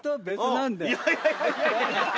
いやいやいやいや。